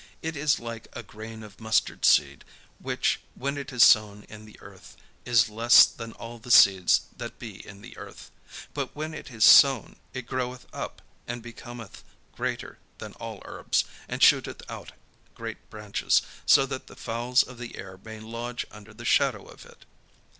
It is like a grain of mustard seed, which, when it is sown in the earth, is less than all the seeds that be in the earth: but when it is sown, it groweth up, and becometh greater than all herbs, and shooteth out great branches; so that the fowls of the air may lodge under the shadow of it."